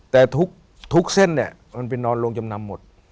แต่ทุกเส้นนอนโลงจำนำหมด